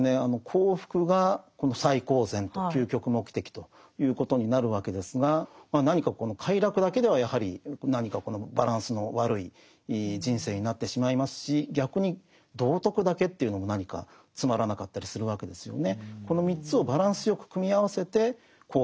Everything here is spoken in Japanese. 幸福が最高善と究極目的ということになるわけですが何かこの快楽だけではやはり何かこのバランスの悪い人生になってしまいますし逆に道徳だけというのも何かつまらなかったりするわけですよね。